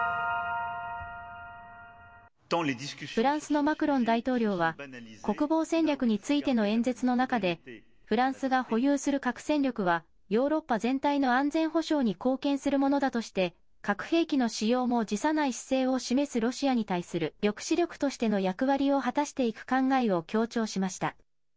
フランスのマクロン大統領は国防戦略についての演説の中でフランスが保有する核戦力はヨーロッパ全体の安全保障に貢献するものだとして核兵器の使用も辞さない姿勢を示すロシアに対する抑止力としての役割を果たしていく考えを強調しました。